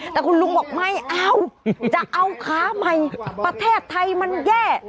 แต่คุณลุงบอกไม่เอาจะเอาขาใหม่ประเทศไทยมันแย่